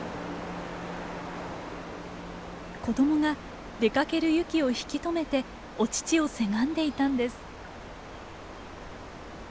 子どもが出かけるユキを引き止めてお乳をせがんでいたんです。